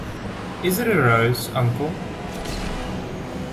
Is it a rose, uncle?